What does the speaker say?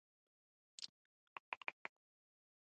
ترکیب خپلواک نه يي.